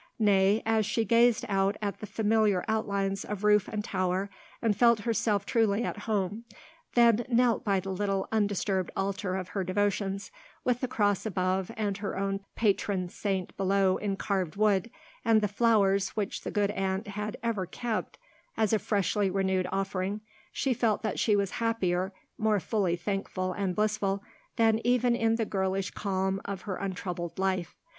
Nay, as she gazed out at the familiar outlines of roof and tower, and felt herself truly at home, then knelt by the little undisturbed altar of her devotions, with the cross above and her own patron saint below in carved wood, and the flowers which the good aunt had ever kept as a freshly renewed offering, she felt that she was happier, more fully thankful and blissful than even in the girlish calm of her untroubled life.